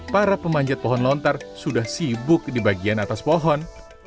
para pemanjat pohon lontar sudah sibuk di bagian atas pohon